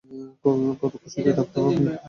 কতো খুশিতে থাকতাম আমি!